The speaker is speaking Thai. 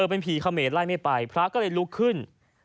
เป็นผีเขมรไล่ไม่ไปพระก็เลยลุกขึ้น